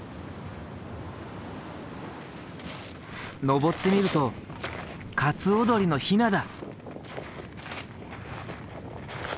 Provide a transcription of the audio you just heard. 上ってみるとカツオドリのヒナだ。